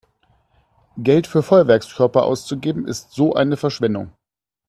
Geld für Feuerwerkskörper auszugeben ist so eine Verschwendung!